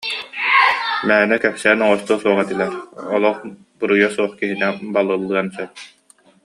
Мээнэ кэпсээн оҥостуо суох этилэр, олох буруйа суох киһи балыллыан сөп